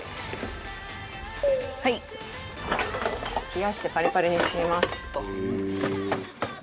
冷やしてパリパリにしますと。